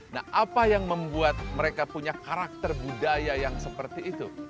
nah apa yang membuat mereka punya karakter budaya yang seperti itu